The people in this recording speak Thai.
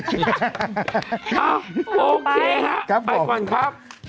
ครับโอเคครับปล่อยความคิดครับ